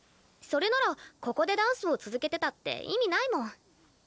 それならここでダンスを続けてたって意味ないもん。